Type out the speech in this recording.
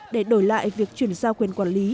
để đổi lại việc chuyển giao quyền quản lý